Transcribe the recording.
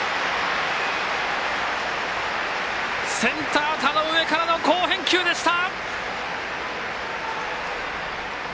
センター、田上からの好返球でした！